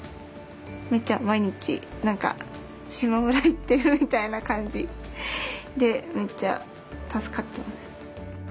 めっちゃ毎日何かしまむら行ってるみたいな感じでめっちゃ助かってます。